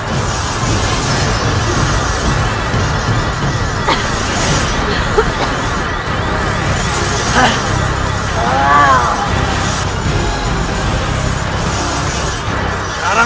aku tidak percaya